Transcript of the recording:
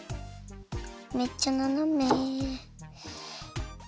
めっちゃななめ。